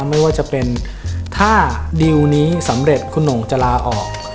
ไม่ว่าจะเป็นถ้าดิวนี้สำเร็จคุณหน่งจะลาออก